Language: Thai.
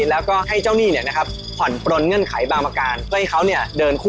แล้วก็ให้เจ้าหนี้ผ่อนปลนเงื่อนไขบางประการเพื่อให้เขาเดินคู่